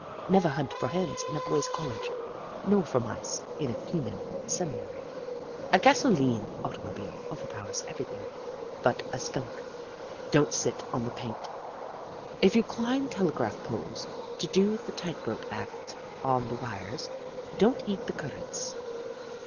" Never hunt for Hens in a boys' college, nor for Mice in a female seminary. " A gasolene automobile overpowers every thing but a Skunk. " Don't sit on the paint. " If you climb telegraph poles to do the tight rope act on the wires, don't eat the currents.